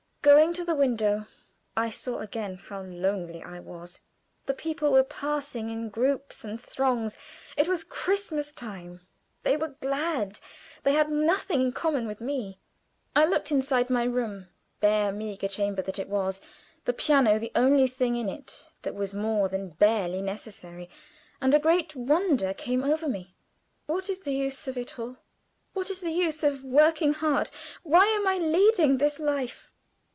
Going to the window, I saw again how lonely I was. The people were passing in groups and throngs; it was Christmas time; they were glad. They had nothing in common with me. I looked inside my room bare, meager chamber that it was the piano the only thing in it that was more than barely necessary, and a great wonder came over me. "What is the use of it all? What is the use of working hard? Why am I leading this life?